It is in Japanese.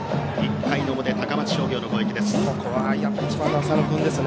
１回の表、高松商業の攻撃です。